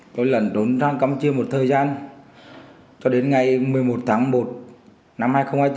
tôi lẩn trốn sang campuchia một thời gian cho đến ngày một mươi một tháng một năm hai nghìn hai mươi bốn